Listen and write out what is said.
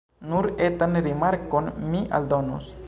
Nur etan rimarkon mi aldonus.